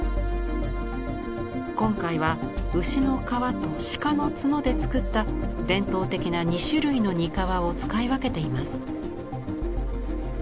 今回は牛の皮と鹿の角で作った伝統的な２種類の膠を使い分けています。